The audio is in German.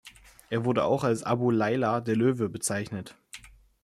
Er wurde auch als Abu Layla, der Löwe, bezeichnet.